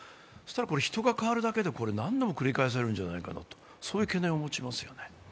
人が変わるだけで何度も繰り返させるんじゃないかという懸念を持たれますよね。